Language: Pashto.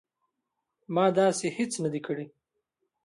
ما داسې هیڅ نه دي کړي